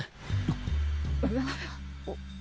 あっ！？